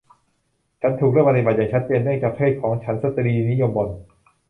ฉันถูกเลือกปฏิบัติอย่างชัดเจนเนื่องจากเพศของฉันสตรีนิยมบ่น